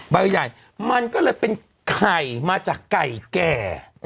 ใบใหญ่มันก็เลยเป็นไข่มาจากไก่แก่